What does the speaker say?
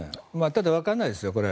ただ、これはわからないですよ。